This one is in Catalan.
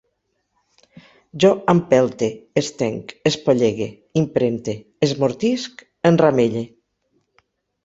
Jo empelte, estenc, espollegue, impremte, esmortisc, enramelle